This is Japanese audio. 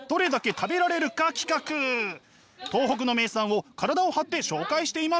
東北の名産を体を張って紹介しています。